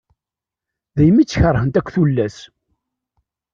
Daymi tt-kerhent akk tullas.